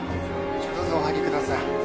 どうぞお入りください。